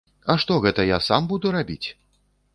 А што гэта я сам буду рабіць?